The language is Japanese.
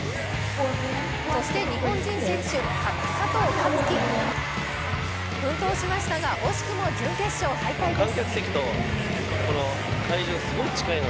そして日本人選手、加藤勝己奮闘を見せましたが惜しくも準決勝敗退です。